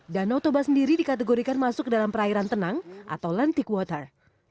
danau toba sendiri dikategorikan masuk ke dalam perairan tenang atau lantic water